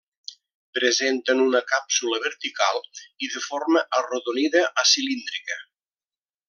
Presenten una càpsula vertical i de forma arrodonida a cilíndrica.